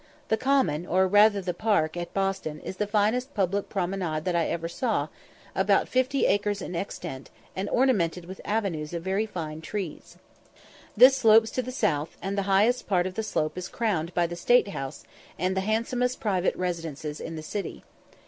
The common, or rather the park, at Boston, is the finest public promenade that I ever saw, about fifty acres in extent, and ornamented with avenues of very fine trees. This slopes to the south, and the highest part of the slope is crowned by the State House and the handsomest private residences in the city.